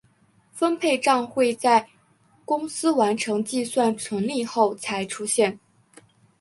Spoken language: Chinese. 分配帐会在公司完成计算纯利后才出现。